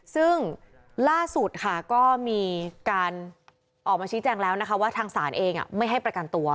ซึ่งล่าสุดค่ะก็มีการออกมาชี้แจงแล้วนะคะว่าทางศาลเองไม่ให้ประกันตัว